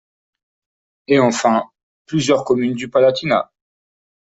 Et enfin, plusieurs communes du Palatinat.